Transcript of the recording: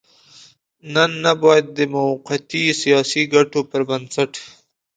نن نه بايد د موقتي سياسي ګټو پر بنسټ.